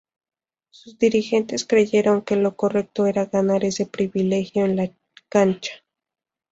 Sus dirigentes creyeron que lo correcto era ganar ese privilegio en la cancha.